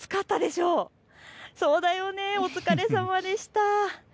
そうだよね、お疲れさまでした。